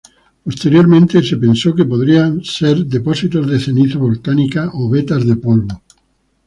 Posteriormente se pensó que podrían ser depósitos de ceniza volcánica o vetas de polvo.